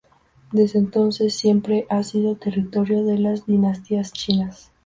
Desde entonces, siempre ha sido territorio de las dinastías chinas.